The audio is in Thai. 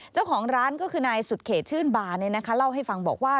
เจ้าของร้านก็คือนายสุดเขตชื่นบาร์เล่าให้ฟังบอกว่า